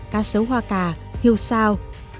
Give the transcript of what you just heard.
cá sấu hoa cà hiêu sao